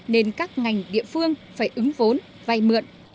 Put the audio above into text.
nên các ngành địa phương phải ứng vốn vay mượn